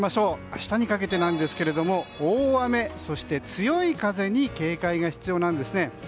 明日にかけてですが大雨そして強い風に警戒が必要なんですね。